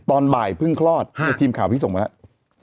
ตอนบ่ายเพิ่งคลอดทีมข่าวพี่ส่งมาแล้ว